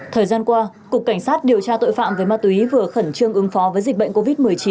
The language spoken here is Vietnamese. thời gian qua cục cảnh sát điều tra tội phạm về ma túy vừa khẩn trương ứng phó với dịch bệnh covid một mươi chín